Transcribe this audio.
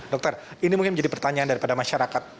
dokter ini mungkin menjadi pertanyaan daripada masyarakat